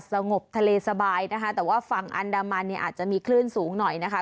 สงบทะเลสบายนะคะแต่ว่าฝั่งอันดามันเนี่ยอาจจะมีคลื่นสูงหน่อยนะคะ